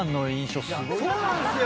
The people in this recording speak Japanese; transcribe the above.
そうなんすよ！